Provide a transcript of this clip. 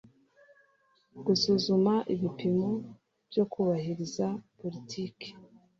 Gusuzuma ibipimo byo kubahiriza politiki